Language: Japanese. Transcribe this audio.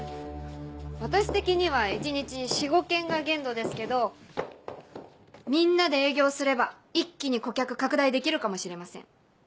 私的には一日４５軒が限度ですけどみんなで営業すれば一気に顧客拡大できるかもしれません。